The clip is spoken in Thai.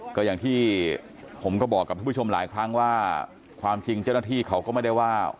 ก็อย่างที่ผมก็บอกกับทุกผู้ชมหลายครั้งว่าความจริงเจ้าหน้าที่เขาก็ไม่ได้ว่า